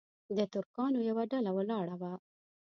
د ترکانو یوه ډله ولاړه وه.